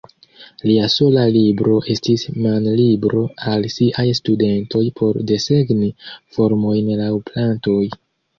Lia sola libro estis manlibro al siaj studentoj por desegni formojn laŭ plantoj.